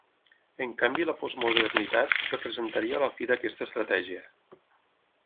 En canvi la postmodernitat representaria la fi d'aquesta estratègia.